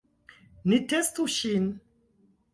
Ni testu ŝin